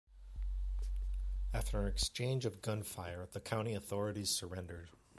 After an exchange of gunfire, the county authorities surrendered.